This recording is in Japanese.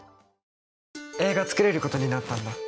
映画を作れることになったんだ。